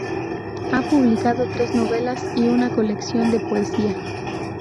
Ha publicado tres novelas y una colección de poesía.